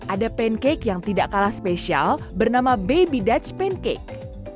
ada pancake yang tidak kalah spesial bernama baby dutch pancake